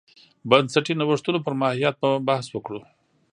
بنسټي نوښتونو پر ماهیت به بحث وکړو.